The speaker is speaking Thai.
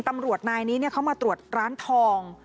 ตำรวจนายนี้เขามาตรวจร้านทอง